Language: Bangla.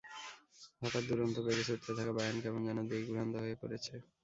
হঠাৎ দুরন্ত বেগে ছুটতে থাকা বায়ার্ন কেমন যেন দিকভ্রান্ত হয়ে পড়েছে।